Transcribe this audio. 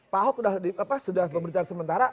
pak ahok sudah pemerintahan sementara